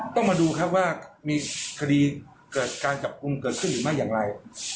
ต้องมาดูครับว่ามีคดีเกิดการจับกลุ่มเกิดขึ้นหรือไม่อย่างไร